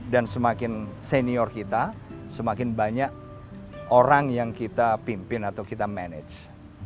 dan semakin senior kita semakin banyak orang yang kita pimpin atau kita manage